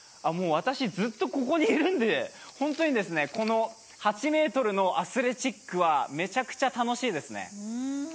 私ずっとここにいるんで、本当に８ｍのアスレチックはめちゃくちゃ楽しいですね。